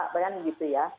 bukan gitu ya